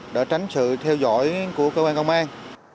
để tránh sự theo dõi của cơ quan công an